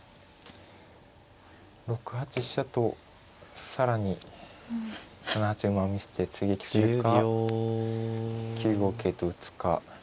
６八飛車と更に７八馬を見せて追撃するか９五桂と打つか。